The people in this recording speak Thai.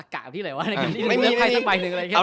ตักกะที่ไหนวะ